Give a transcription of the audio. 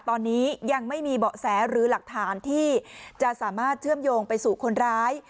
ตอนนี้ยังไม่มีเบาะแสหรือหลักฐานที่จะสามารถเชื่อมโยงไปสู่คนร้าย